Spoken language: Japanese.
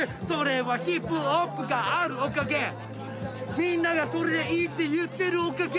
みんながそれでいいって言ってるおかげ！